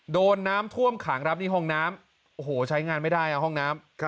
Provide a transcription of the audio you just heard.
โดนน้ำท่วมขังครับนี่ห้องน้ำโอ้โหใช้งานไม่ได้ห้องน้ำ